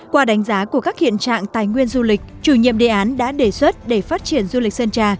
qua đánh giá của các hiện trạng tài nguyên du lịch chủ nhiệm đề án đã đề xuất để phát triển du lịch sơn trà